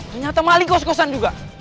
ternyata maling kos kosan juga